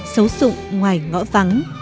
xấu xụng ngoài ngõ vắng